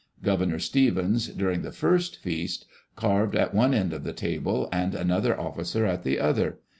Governor Stevens, during the first feast, carved at one end of the table, and another officer at the other.